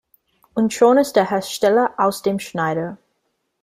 Und schon ist der Hersteller aus dem Schneider.